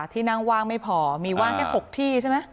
ที่นั่งว่างไม่พอมีว่างแค่๖ที่ใช่ไหม